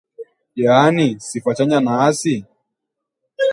yaani sifa chanya na hasi